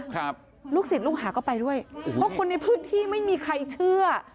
ลูกศิษย์ลูกหาก็ไปด้วยเพราะคนในพื้นที่ไม่มีใครเชื่อ